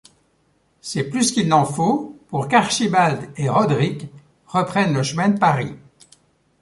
C’est plus qu’il n’en faut pour qu’Archibald et Roderick reprennent le chemin de Paris.